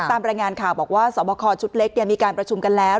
ตามรายงานข่าวบอกว่าสอบคอชุดเล็กมีการประชุมกันแล้ว